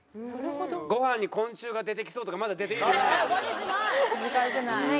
「ご飯に昆虫が出てきそう」とかまだ出てきてない。